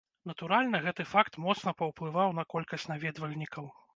Натуральна, гэты факт моцна паўплываў на колькасць наведвальнікаў.